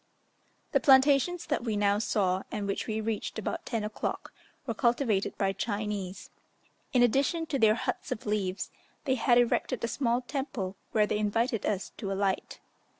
The plantations that we now saw, and which we reached about 10 o'clock, were cultivated by Chinese. In addition to their huts of leaves, they had erected a small temple, where they invited us to alight.